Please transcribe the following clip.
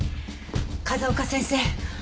風丘先生。